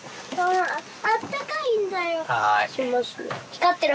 あったかいんだよ。はーい。